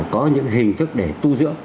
có những hình thức để tu dưỡng